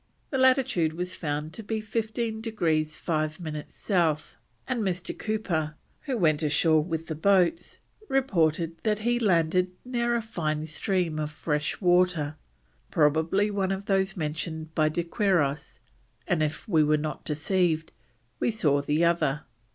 The latitude was found to be 15 degrees 5 minutes South, and Mr. Cooper, who went ashore with the boats, reported that he landed near a fine stream of fresh water, "probably one of those mentioned by De Quiros; and if we were not deceived, we saw the other."